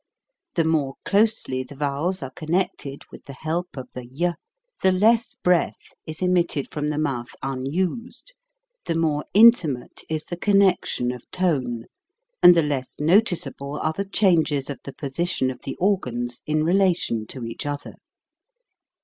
The more closely the vowels are connected with the help of the ?/, the less breath is emitted from the mouth unused, the more intimate is the connection of tone, and the less noticeable are the changes of the position of the organs in relation to each other.